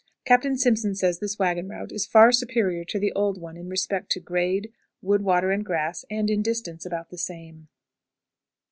Captain Simpson says this wagon route is far superior to the old one in respect to grade, wood, water, and grass, and in distance about the same.